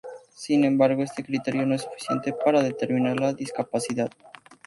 Sin embargo, este criterio no es suficiente para determinar la discapacidad.